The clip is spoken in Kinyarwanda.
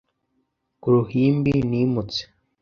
ku ruhimbi nimutse